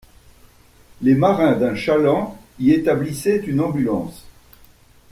Les marins d'un chaland y établissaient une ambulance.